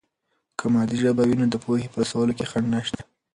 که مادي ژبه وي، نو د پوهې په رسولو کې خنډ نشته.